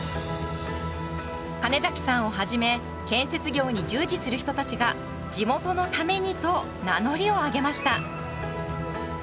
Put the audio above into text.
金さんをはじめ建設業に従事する人たちが地元のためにと名乗りを上げました。